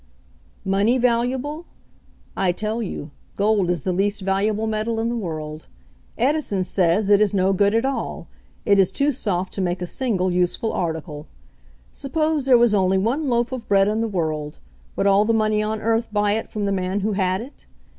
"Money valuable ? I tell you, gold is the least valuable metal in the world. Edison says it is no good at all, it is too soft to make a single useful article. Suppose there was only one loaf of bread in the world, would all tTie money on earth buy it from the man who had it?